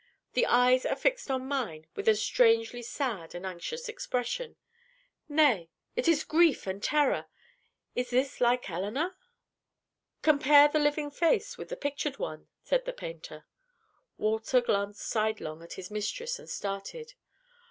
The eyes are fixed on mine with a strangely sad and anxious expression. Nay, it is grief and terror! Is this like Elinor?" "Compare the living face with the pictured one," said the painter. Walter glanced sidelong at his mistress and started.